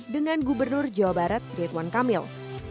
dengan gubernur jawa barat ridwan kamil